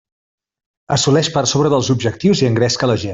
Assoleix per sobre dels objectius i engresca la gent.